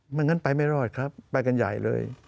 งั้นไปไม่รอดครับไปกันใหญ่เลย